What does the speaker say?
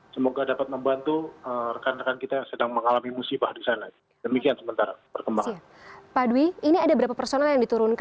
semoga dapat membantu